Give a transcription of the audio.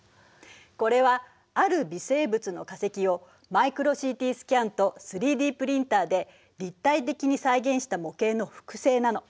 これはある微生物の化石をマイクロＣＴスキャンと３Ｄプリンターで立体的に再現した模型の複製なの。